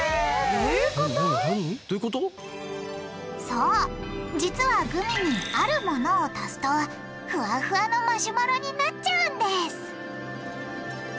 そう実はグミにあるものを足すとフワフワのマシュマロになっちゃうんです！